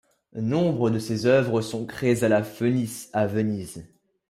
Nombre de ses œuvres sont créées à La Fenice à Venise.